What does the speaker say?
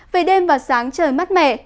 về đêm và sáng trời mát mẻ